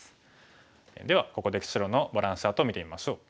ではここで白のバランスチャートを見てみましょう。